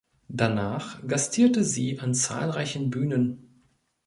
Danach gastierte sie an zahlreichen Bühnen.